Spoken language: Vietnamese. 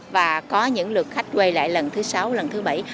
và có những lượt khách quay lại lần thứ sáu lần thứ bảy